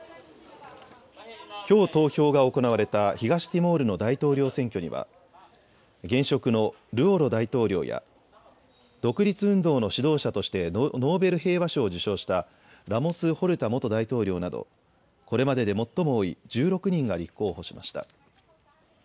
きょう投票が行われた東ティモールの大統領選挙には現職のルオロ大統領や独立運動の指導者としてノーベル平和賞を受賞したラモス・ホルタ元大統領などこれまでで最も多い１６人が立候補しました。